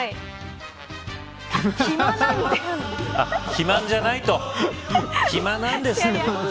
肥満じゃないと暇なんですと。